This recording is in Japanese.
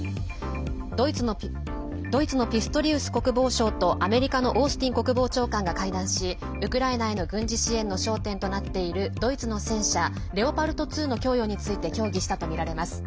ドイツのピストリウス国防相とアメリカのオースティン国防長官が会談しウクライナへの軍事支援の焦点となっているドイツの戦車レオパルト２の供与について協議したとみられます。